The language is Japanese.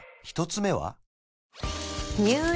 １つ目は？